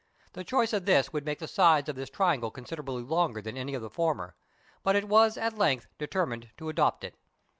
The choice of this would make the sides of this triangle considerably longer than any of the former, but it was at length determined to adopt it.